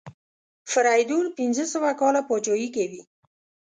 فریدون پنځه سوه کاله پاچهي کوي.